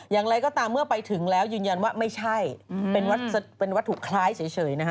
อย่างไรก็ตามเมื่อไปถึงแล้วยืนยันว่าไม่ใช่เป็นวัตถุคล้ายเฉยนะฮะ